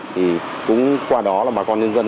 thì cũng qua đó là bà con nhân dân